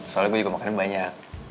soalnya gue juga makan yang banyak